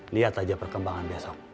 lihat aja perkembangan besok